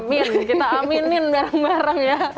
mir kita aminin bareng bareng ya